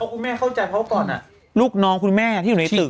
คุณแม่เข้าใจเพราะก่อนลูกน้องคุณแม่ที่อยู่ในตึก